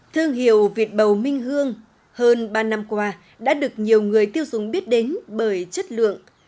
thương hiệu việt bầu minh hương hơn ba năm qua đã được nhiều người tiêu dùng biết đến bởi chất lượng